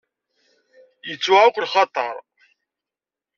Yettwaɣ-ak lxaṭer?